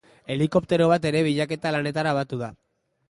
Helikoptero bat ere bilaketa lanetara batu da.